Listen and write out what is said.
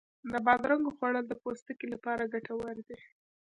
د بادرنګو خوړل د پوستکي لپاره ګټور دی.